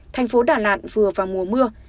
thành phố đà lạt vừa vào mùa mưa